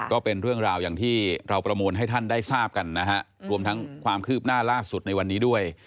ก็เป็นเรื่องราวอย่างที่เราประมวลให้ท่านได้ทราบกันนะฮะรวมทั้งความคืบหน้าล่าสุดในวันนี้ด้วย